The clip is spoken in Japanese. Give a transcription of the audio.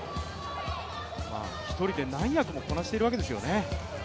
一人で何役もこなしているわけですよね。